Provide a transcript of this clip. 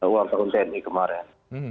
uang tahun tni kemarin